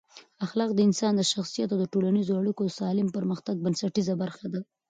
اخلاق د انسان د شخصیت او ټولنیزو اړیکو د سالم پرمختګ بنسټیزه برخه ده.